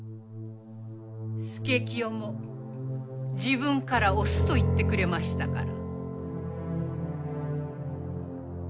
佐清も自分からおすと言ってくれましたから。